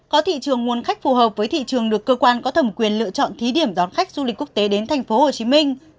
có thị trường nguồn khách phù hợp với thị trường được cơ quan có thẩm quyền lựa chọn thí điểm đón khách du lịch quốc tế đến tp hcm